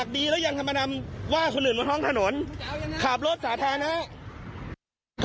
มึงจะเอายังไงกับปุ๊ก